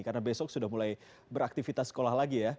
karena besok sudah mulai beraktivitas sekolah lagi ya